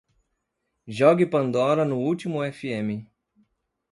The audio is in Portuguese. Jogue Pandora no último Fm